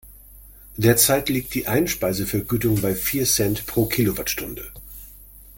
Derzeit liegt die Einspeisevergütung bei vier Cent pro Kilowattstunde.